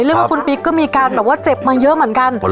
ว่าคุณปิ๊กก็มีการแบบว่าเจ็บมาเยอะเหมือนกัน